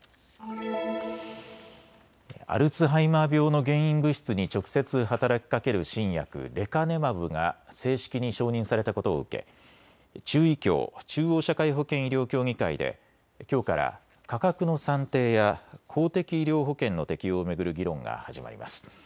アルツハイマー病の原因物質に直接働きかける新薬、レカネマブが正式に承認されたことを受け中医協・中央社会保険医療協議会できょうから価格の算定や公的医療保険の適用を巡る議論が始まります。